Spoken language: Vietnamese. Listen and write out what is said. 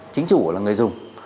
chính chủ là người dùng